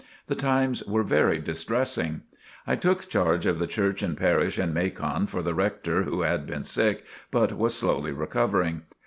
The times were very distressing. I took charge of the church and parish in Macon for the rector who had been sick but was slowly recovering.